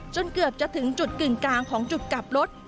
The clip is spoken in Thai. เกือบจะถึงจุดกึ่งกลางของจุดกลับรถ